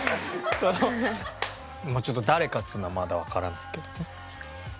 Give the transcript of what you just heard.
ちょっと誰かっていうのはまだわからないけど。